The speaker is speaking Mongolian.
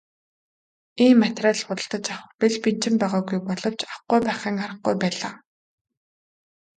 Ийм материал худалдаж авах бэл бэнчин байгаагүй боловч авахгүй байхын аргагүй байлаа.